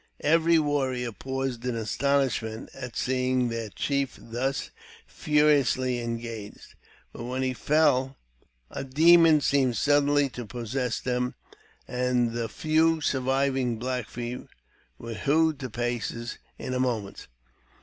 Every warrior paused in astonishment at seeing their chie thus furiously engaged ; but when he fell a demon seeme< suddenly to possess them, and the few surviving Black Fee were hewed to pieces in a moment.